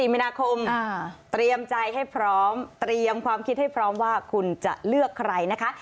มีนาคมเตรียมใจให้พร้อมเตรียมความคิดให้พร้อมว่าคุณจะเลือกใครนะคะ